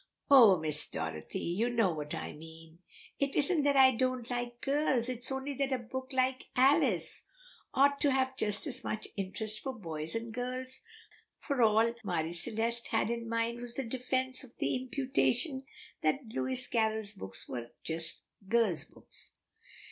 "Oh, Miss Dorothy, you know what I mean; it isn't that I don't like girls, it's only that a book like 'Alice' ought to have just as much interest for boys as girls;" for all Marie Celeste had in mind was the defence of the imputation that Lewis Carroll's books were "just girls' books."